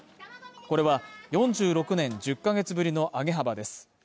これは４６年１０ヶ月ぶりの上げ幅です。